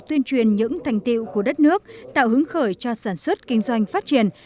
tuyên truyền những thành tiệu của đất nước tạo hứng khởi cho sản xuất kinh doanh phát triển